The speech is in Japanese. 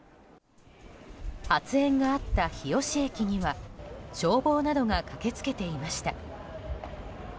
発煙があった日吉駅には消防などが駆けつけていました。